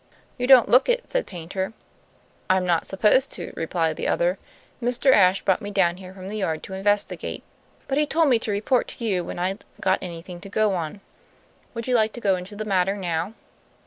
"You don't look it," said Paynter. "I'm not supposed to," replied the other. "Mr. Ashe brought me down here from the Yard to investigate; but he told me to report to you when I'd got anything to go on. Would you like to go into the matter now?